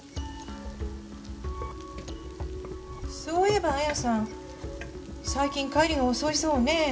そういえば彩矢さん最近帰りが遅いそうね。